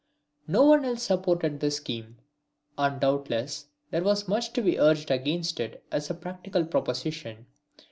No one else supported the scheme, and doubtless there was much to be urged against it as a practical proposition.